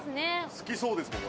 好きそうですもん